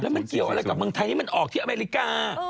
มันเกี่ยวอะไรกับเมืองไทยนี่มันออกที่อเมริกา